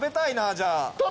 じゃあ。